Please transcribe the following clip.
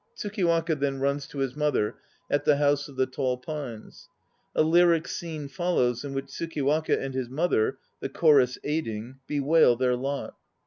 TSUKIWAKA then runs to his mother at the House of the Tall Pines. A lyric scene follows in which TSUKIWAKA and his mother (the CHORUS aiding) bewail their lot.